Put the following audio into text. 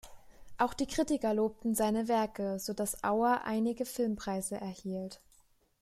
Auch die Kritiker lobten seine Werke, so dass Auer einige Filmpreise erhielt.